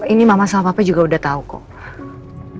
ini mama sama papa juga udah tahu kok